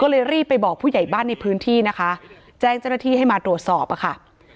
เรารีบไปบอกผู้ใหญ่บ้านในพื้นที่แจ้งเจ้าหน้าที่ให้มาตรวจสอบ